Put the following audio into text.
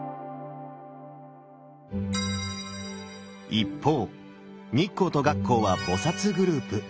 一方日光と月光は菩グループ。